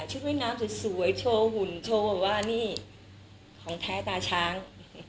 ว่ายน้ำสวยโชว์หุ่นโชว์บอกว่านี่ของแท้ตาช้าง